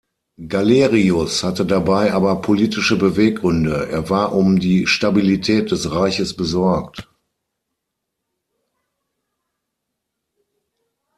Galerius hatte dabei aber politische Beweggründe; er war um die Stabilität des Reiches besorgt.